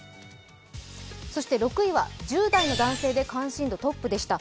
６位は１０代の男性で関心度トップでした。